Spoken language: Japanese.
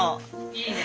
いいね。